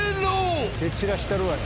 蹴散らしたるわい。